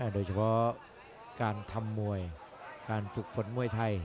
โดยเฉพาะการทำมวยการฝึกฝนมวยไทย